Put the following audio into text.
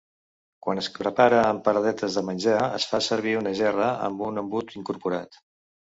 Quan es prepara en paradetes de menjar, es fa servir una gerra amb un embut incorporat.